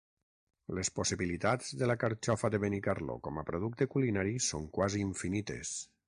Les possibilitats de la Carxofa de Benicarló com a producte culinari són quasi infinites.